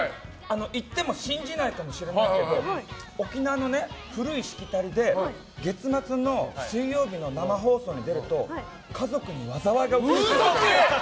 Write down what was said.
言っても信じないかもしれないけど沖縄の古いしきたりで月末の水曜日の生放送に出ると家族に災いが起こるって。